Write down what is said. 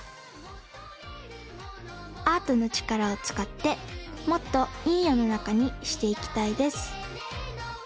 アートのちからをつかってもっといいよのなかにしていきたいです。